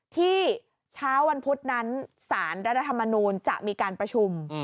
ที่เช้าวันพุธนั้นสารรัฐธรรมนูลจะมีการประชุม